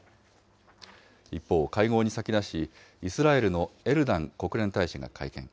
一方、会合に先立ち、イスラエルのエルダン国連大使が会見。